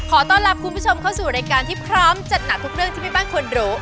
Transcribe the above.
ขอต้อนรับคุณผู้ชมเข้าสู่รายการที่พร้อมจัดหนักทุกเรื่องที่แม่บ้านควรรู้